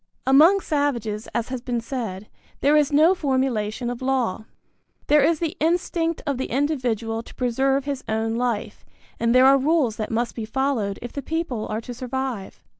Among savages, as has been said, there is no formulation of law. There is the instinct of the individual to preserve his own life, and there are rules that must be followed if the people are to survive.